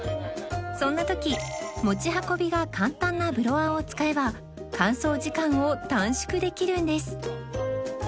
そんな時持ち運びが簡単なブロアを使えば乾燥時間を短縮できるんです